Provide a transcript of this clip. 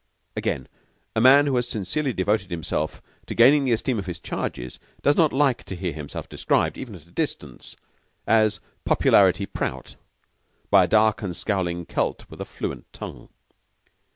Again, a man who has sincerely devoted himself to gaining the esteem of his charges does not like to hear himself described, even at a distance, as "Popularity Prout" by a dark and scowling Celt with a fluent tongue.